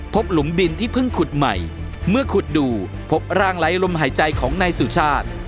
หลุมดินที่เพิ่งขุดใหม่เมื่อขุดดูพบร่างไร้ลมหายใจของนายสุชาติ